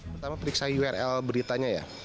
pertama periksa url beritanya ya